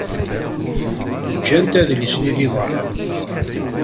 Ǧǧant adlis-nni deg beṛṛa.